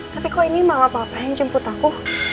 tapi kok ini mama bapak yang jemput aku